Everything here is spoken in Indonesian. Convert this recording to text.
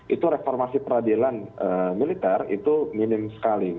itu reformasi peradilan militer itu minim sekali